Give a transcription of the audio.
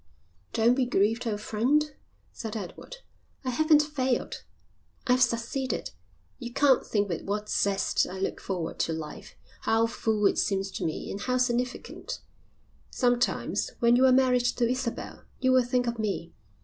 "Don't be grieved, old friend," said Edward. "I haven't failed. I've succeeded. You can't think with what zest I look forward to life, how full it seems to me and how significant. Sometimes, when you are married to Isabel, you will think of me.